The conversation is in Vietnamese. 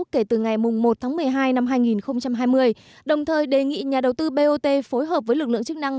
kể từ ngày một tháng một mươi hai năm hai nghìn hai mươi đồng thời đề nghị nhà đầu tư bot phối hợp với lực lượng chức năng